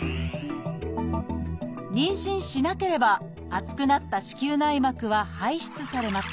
妊娠しなければ厚くなった子宮内膜は排出されます。